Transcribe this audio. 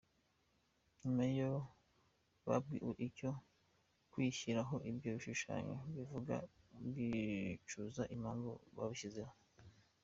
Nyuma iyo babwiwe icyo kwishyiraho ibyo bishushanyo bivuga bicuza impamvu babishyizeho.